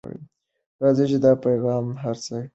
راځئ چې دا پیغام هر ځای ته ورسوو.